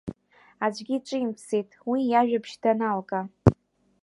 Аӡәгьы ҿимҭӡеит уи иажәабжь даналга.